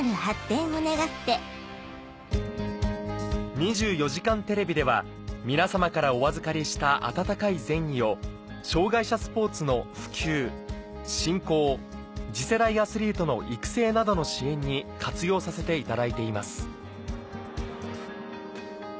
『２４時間テレビ』では皆様からお預かりしたあたたかい善意を障がい者スポーツの普及振興次世代アスリートの育成などの支援に活用させていただいています